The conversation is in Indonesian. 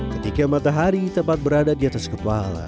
ketika matahari tepat berada di atas kepala